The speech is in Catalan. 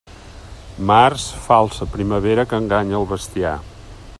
Març falsa primavera que enganya al bestiar.